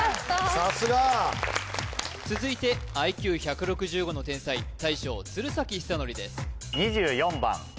さすが続いてＩＱ１６５の天才大将鶴崎修功です